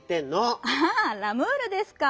ああ「ラムール」ですか。